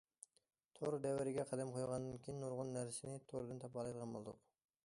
تور دەۋرىگە قەدەم قويغاندىن كېيىن نۇرغۇن نەرسىنى توردىن تاپالايدىغان بولدۇق.